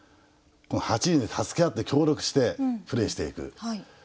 この「八人」で助け合って協力してプレーしていく。